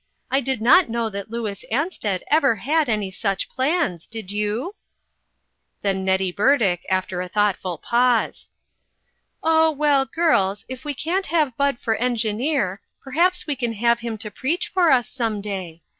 I did not know that Louis Ansted ever had any such plans, did you ?" Then Nettie Burdick, after a thoughtful pause :" Oh, well, girls, if we can't have Bud for engineer, perhaps we can have him to preach for us some day.